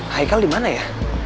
haikal dimana ya